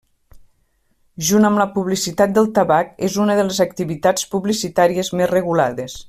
Junt amb la publicitat del tabac és una de les activitats publicitàries més regulades.